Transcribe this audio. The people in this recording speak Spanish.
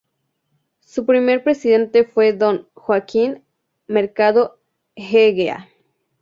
Su primer presidente fue don Joaquín Mercado Egea.